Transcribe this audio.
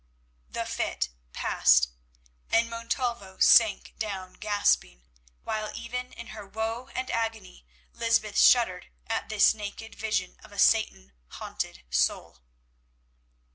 The fit passed, and Montalvo sank down gasping, while even in her woe and agony Lysbeth shuddered at this naked vision of a Satan haunted soul.